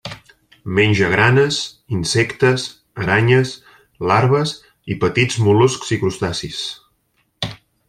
Menja granes, insectes, aranyes, larves i petits mol·luscs i crustacis.